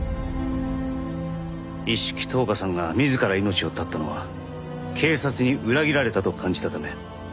一色橙花さんが自ら命を絶ったのは警察に裏切られたと感じたため。